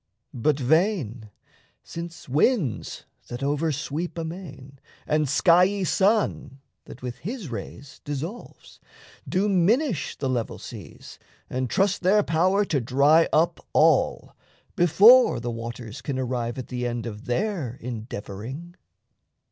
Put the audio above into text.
But vain since winds (that over sweep amain) And skiey sun (that with his rays dissolves) Do minish the level seas and trust their power To dry up all, before the waters can Arrive at the end of their endeavouring.